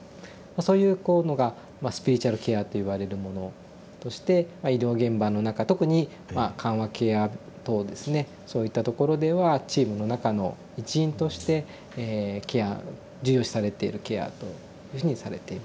そういうこうのがスピリチュアルケアっていわれるものとして医療現場の中特に緩和ケア棟ですねそういったところではチームの中の一員として重要視されているケアというふうにされています。